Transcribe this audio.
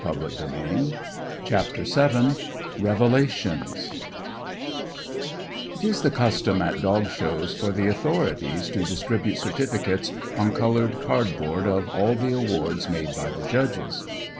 CHAPTER VII REVELATIONS It is the custom at dog shows for the authorities to distribute certificates on coloured cardboard of all the awards made by the judges.